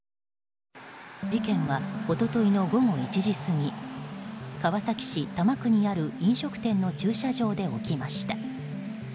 事件は一昨日の午後１時過ぎ川崎市多摩区にある飲食店の駐車場で起きました。